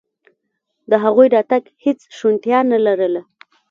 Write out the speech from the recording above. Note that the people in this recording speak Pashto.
د هغوی راتګ هېڅ شونتیا نه لرله.